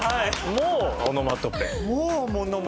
もうオノマトペ。